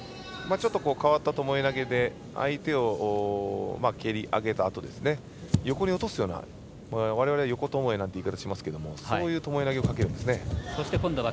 ちょっと変わったともえ投げで相手を蹴り上げたあと横に落とすようなわれわれは横ともえという言い方もしますがそういう、ともえ投げをかけるんです。